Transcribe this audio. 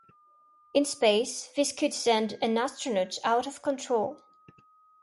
In space this could send an astronaut out of control.